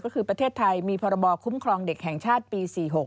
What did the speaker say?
ก็คือประเทศไทยมีพรบคุ้มครองเด็กแห่งชาติปี๔๖